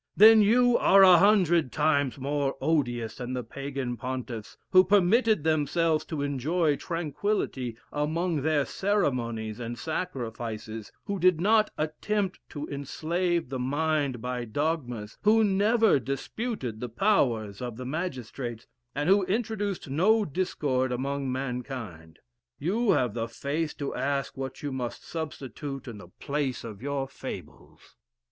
Then you are a hundred times more odious than the Pagan Pontiffs, who permitted themselves to enjoy tranquillity among their ceremonies and sacrifices, who did not attempt to enslave the mind by dogmas, who never disputed the powers of the magistrates, and who introduced no discord among mankind. You have the face to ask what you must substitute in the place of your fables!"